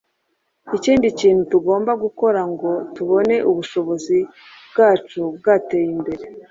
Ikindi kintu tugomba gukora ngo tubone ubushobozi bwacu bwateye imbere